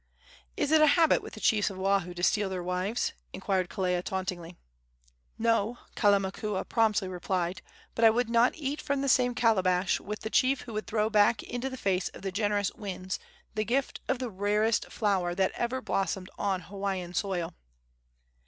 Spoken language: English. "Is it a habit with the chiefs of Oahu to steal their wives?" inquired Kelea, tauntingly. "No," Kalamakua promptly replied; "but I would not eat from the same calabash with the chief who would throw back into the face of the generous winds the gift of the rarest flower that ever blossomed on Hawaiian soil!"